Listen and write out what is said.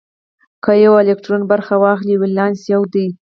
که یو الکترون برخه واخلي ولانس یو دی.